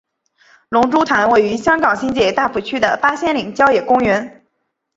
龙珠潭位于香港新界大埔区的八仙岭郊野公园。